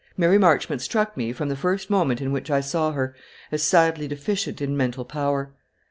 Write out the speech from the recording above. Mary Marchmont struck me, from the first moment in which I saw her, as sadly deficient in mental power.